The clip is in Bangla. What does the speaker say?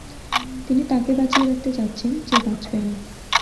তিনি তাকে বাঁচিয়ে রাখতে চাচ্ছেন যে বাঁচবে না।